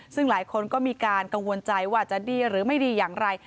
ซึ่งหลายคนก็มีการกังวลใจว่าจะดีหรือไม่ดีอย่างไร